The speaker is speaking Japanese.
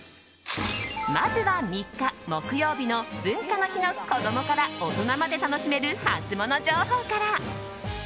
まずは３日木曜日の文化の日の子供から大人まで楽しめるハツモノ情報から。